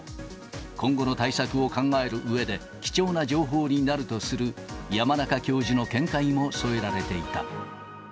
今後の対策を考えるうえで、貴重な情報になるとする山中教授の見解も添えられていた。